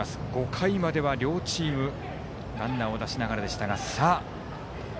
５回までは両チームランナーを出しながらでしたが。